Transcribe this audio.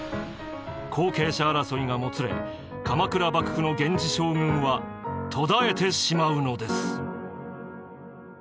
後継者争いがもつれ鎌倉幕府の源氏将軍は途絶えてしまうのです。